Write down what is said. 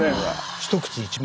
一口１万。